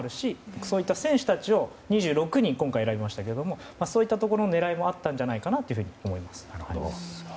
そういった選手たちを２６人、今回選びましたけどそういったところの狙いもあったと思います。